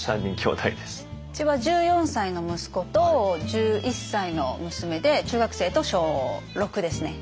うちは１４歳の息子と１１歳の娘で中学生と小６ですね。